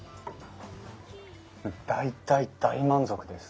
大大大満足です。